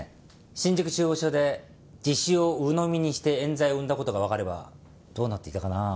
新宿中央署で自首を鵜呑みにして冤罪を生んだ事がわかればどうなっていたかなあ。